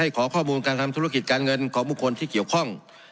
ขอข้อมูลการทำธุรกิจการเงินของบุคคลที่เกี่ยวข้อง